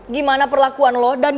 gimana perlakuan lo dan